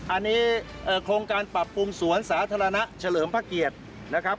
อันนี้โครงการปรับปรุงสวนสาธารณะเฉลิมพระเกียรตินะครับ